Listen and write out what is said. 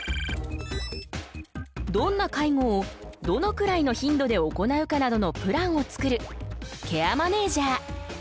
どんな介護をどのくらいの頻度で行うかなどのプランを作るケアマネージャー。